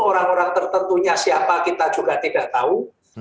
orang orang tertentunya siapa kita juga tidak tahu